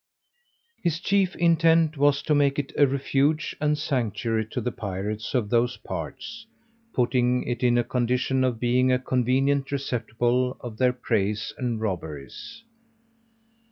His chief intent was to make it a refuge and sanctuary to the pirates of those parts, putting it in a condition of being a convenient receptacle of their preys and robberies.